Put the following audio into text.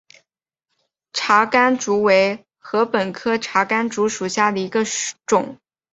茶竿竹为禾本科茶秆竹属下的一个种。